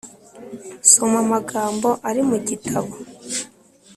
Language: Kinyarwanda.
soma amagambo ari mu gitabo